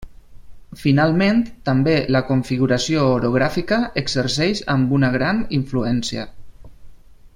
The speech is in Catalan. Finalment, també la configuració orogràfica exerceix amb una gran influència.